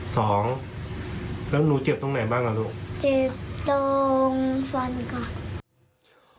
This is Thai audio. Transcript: สองแล้วหนูเจ็บตรงไหนบ้างอ่ะลูกเจ็บตรงฟันค่ะ